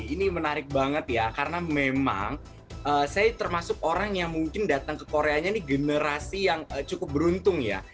ini menarik banget ya karena memang saya termasuk orang yang mungkin datang ke koreanya ini generasi yang cukup beruntung ya